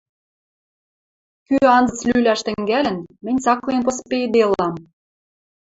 Кӱ анзыц лӱлӓш тӹнгӓлӹн, мӹнь цаклен поспейӹделам.